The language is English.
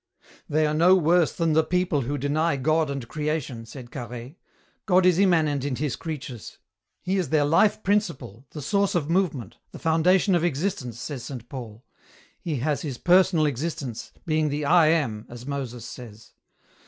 "They are no worse than the people who deny God and Creation," said Carhaix. "God is immanent in His creatures. He is their Life principle, the source of movement, the foundation of existence, says Saint Paul. He has His personal existence, being the 'I AM,' as Moses says.